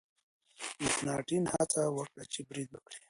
مکناتن هڅه وکړه چې برید وکړي.